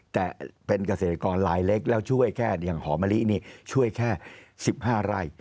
แต่เป็นเกษตรกรลายเล็กแล้วช่วยแค่อย่างหอมะลินี่ช่วยแค่๑๕ไร่